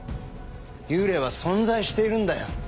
幽霊は存在しているんだよ。